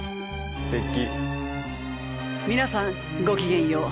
すてき！